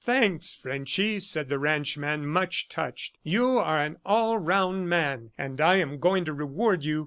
"Thanks, Frenchy," said the ranchman, much touched. "You are an all round man, and I am going to reward you.